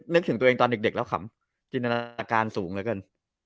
นึกถึงตัวเองตอนเด็กแล้วขำจินตนาอาการสูงเหลือเกิน